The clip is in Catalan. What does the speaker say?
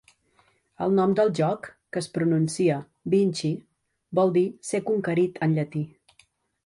En nom del joc, que es pronuncia "Vinchi", vol dir "ser conquerit" en llatí.